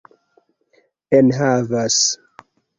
enhavas